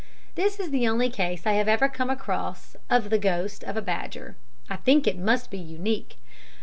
This is the only case I have ever come across of the ghost of a badger. I think it must be unique.